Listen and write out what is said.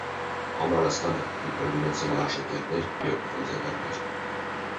Ամարաստանը իբրև ունեցել է աշտարակներ և պղնձե դռներ։